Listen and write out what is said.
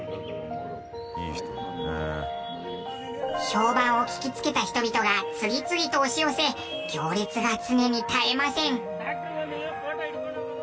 評判を聞きつけた人々が次々と押し寄せ行列が常に絶えません。